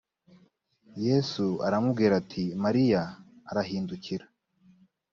yesu aramubwira ati mariya arahindukira